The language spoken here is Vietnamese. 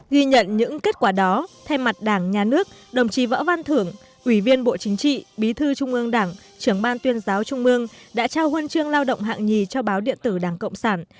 ghi nhận những kết quả đó thay mặt đảng nhà nước đồng chí võ văn thưởng ủy viên bộ chính trị bí thư trung ương đảng trưởng ban tuyên giáo trung ương đã trao huân chương lao động hạng nhì cho báo điện tử đảng cộng sản